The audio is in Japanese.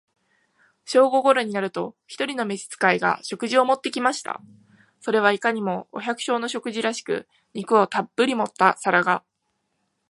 正午頃になると、一人の召使が、食事を持って来ました。それはいかにも、お百姓の食事らしく、肉をたっぶり盛った皿が、